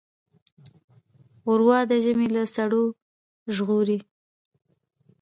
ښوروا د ژمي له سړو ژغوري.